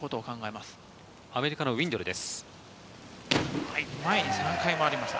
まアメリカのウィンドルです。